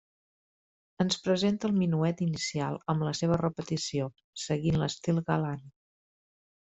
Ens presenta el minuet inicial amb la seva repetició, seguint l’estil galant.